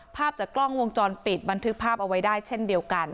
ภาพจากกล้องวงจรปิดบันทึกภาพเอาไว้ได้เช่นเดียวกัน